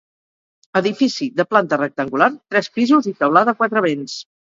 Edifici de planta rectangular, tres pisos i teulada a quatre vents.